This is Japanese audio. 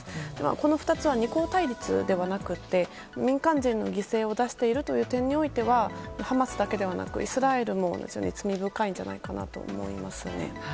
この２つは二方対立ではなくて民間人の犠牲を出しているという点においてはハマスだけではなくイスラエルも罪深いんじゃないかなと思います。